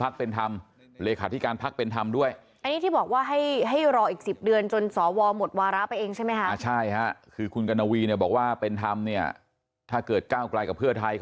กขอบไปอยู่กับซี่ก้าวไกลนะ